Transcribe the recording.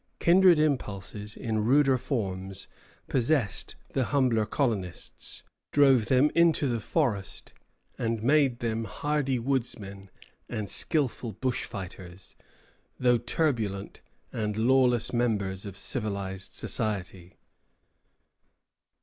Kindred impulses, in ruder forms, possessed the humbler colonists, drove them into the forest, and made them hardy woodsmen and skilful bushfighters, though turbulent and lawless members of civilized society.